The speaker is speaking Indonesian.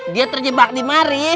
dia terjebak di mari